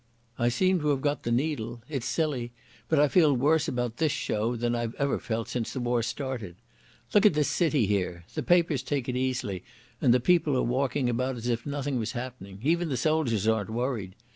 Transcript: "I seem to have got the needle. It's silly, but I feel worse about this show than I've ever felt since the war started. Look at this city here. The papers take it easily, and the people are walking about as if nothing was happening. Even the soldiers aren't worried.